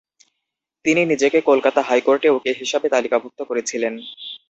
তিনি নিজেকে কলকাতা হাইকোর্টে উকিল হিসাবে তালিকাভুক্ত করেছিলেন।